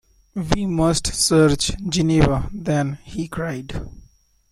"We must search Geneva, then," he cried.